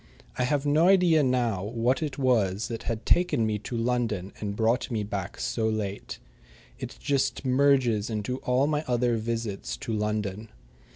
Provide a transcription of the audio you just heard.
I have no idea now what it was that had taken me to London and brought me back so late. It just merges into all my other visits to London.